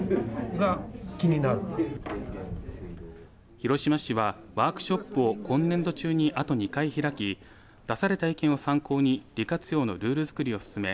広島市はワークショップを今年度中にあと２回開き出された意見を参考に利活用のルール作りを進め